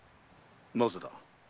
なぜだ？